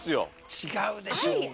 違うでしょうが。